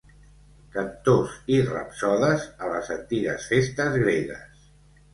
Cantors i rapsodes a les antigues festes gregues.